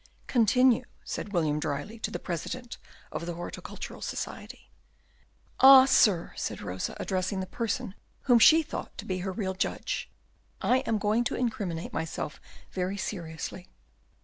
"Continue," said William dryly, to the President of the Horticultural Society. "Ah, sir," said Rosa, addressing the person whom she thought to be her real judge, "I am going to incriminate myself very seriously."